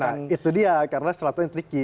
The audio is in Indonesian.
nah itu dia karena salah satu yang tricky